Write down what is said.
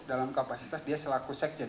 dalam kapasitas dia selaku sekjen